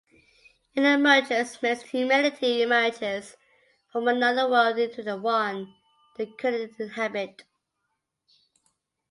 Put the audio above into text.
In emergence myths humanity emerges from another world into the one they currently inhabit.